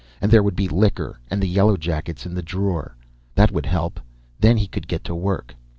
And there would be liquor, and the yellowjackets in the drawer. That would help. Then he could get to work.